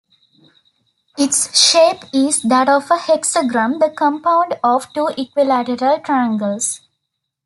Its shape is that of a hexagram, the compound of two equilateral triangles.